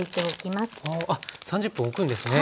あっ３０分おくんですね。